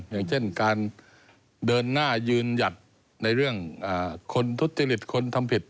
อย่างเช่นการเดินหน้ายืนหยัดในเรื่องคนทุจริตคนทำผิด